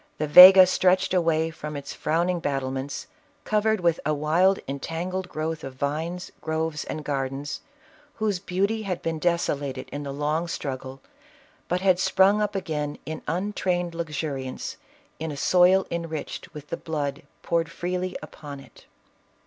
The Vega stretched away from its frown ing battlements, covered with a wild, entangled growth of vines, groves and gardens, whose beauty had been desolated in the long struggle, but had sprung up again in untrained luxuriance, in a soil enriched with the blood poured freely upon it.